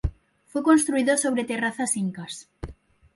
Fue construido sobre terrazas incas.